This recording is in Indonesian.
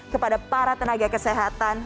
kepada para tenaga kesehatan